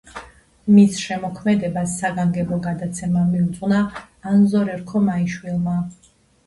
მის შემოქმედებას საგანგებო გადაცემა მიუძღვნა ანზორ ერქომაიშვილმა.